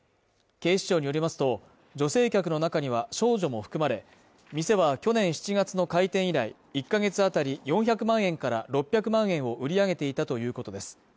警視庁によりますと、女性客の中には少女も含まれ、店は去年７月の開店以来、１か月あたり４００万円から６００万円を売り上げていたということです。